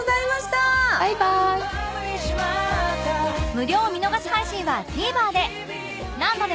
無料見逃し配信は ＴＶｅｒ で